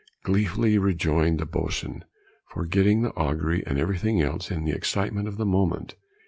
gleefully rejoined the boatswain, forgetting the augury, and everything else, in the excitement of the moment.